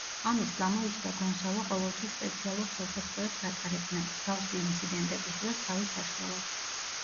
ამის გამო, ის და გონსალო ყოველთვის სპეციალურ ხელსაწყოებს ატარებდნენ, მსგავსი ინციდენტების დროს თავის საშველად.